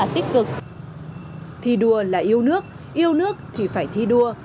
thì đua là yêu nước yêu nước thì phải thi đua